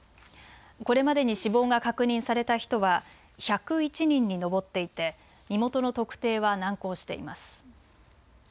これまでに死亡が確認された人は１０１人に上っていて身元の特定は難航しています。